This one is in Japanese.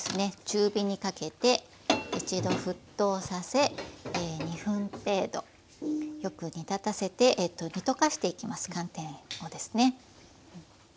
中火にかけて一度沸騰させ２分程度よく煮立たせて煮溶かしていきます寒天をですね。